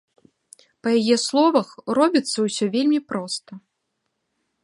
Па яе словах, робіцца ўсё вельмі проста.